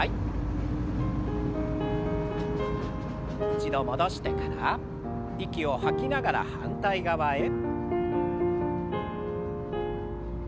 一度戻してから息を吐きながら反対側へ。